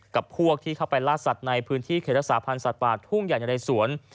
กับพวกที่เข้าไปลาดสัตว์ในพื้นที่เขตศาพันธ์สัตว์ฝาดทุ่งอย่างในสวน